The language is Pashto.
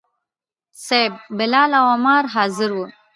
صیب، بلال او عمار حاضر وو.